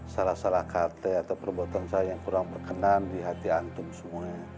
salah salah kata atau perbuatan saya yang kurang berkenan di hati antum semuanya